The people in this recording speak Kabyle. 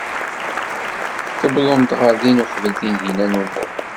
Tuwḍemt ɣer din uqbel Tinhinan u Muḥ.